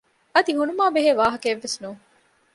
އަދި ހުނުމާބެހޭ ވާހަކައެއްވެސް ނޫން